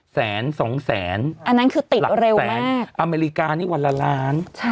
๑๒แสนหลักแสนอเมริกานี้วันละลาน